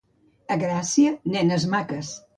A Gràcia, nenes maques.